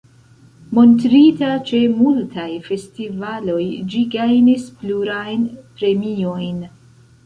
Montrita ĉe multaj festivaloj ĝi gajnis plurajn premiojn.